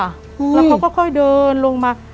แล้วเขาก็ค่อยเดินลงมา